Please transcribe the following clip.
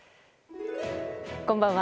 こんばんは。